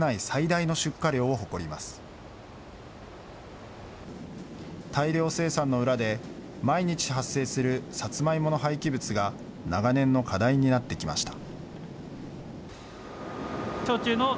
大量生産の裏で、毎日発生するサツマイモの廃棄物が、長年の課題になってきました。